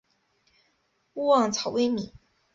勿忘草微米。